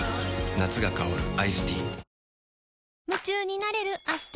夏が香るアイスティー雨。